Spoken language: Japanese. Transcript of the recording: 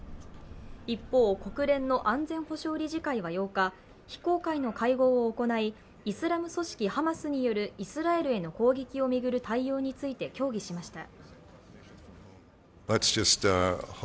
一方、国連の安全保障理事会は８日、非公開の会合を行い、イスラム組織ハマスによるイスラエルへの攻撃を巡る対応について協議しました。